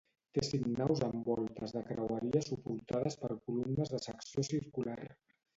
Té cinc naus amb voltes de creueria suportades per columnes de secció circular.